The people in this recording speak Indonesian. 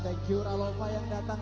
thank you rallopa yang datang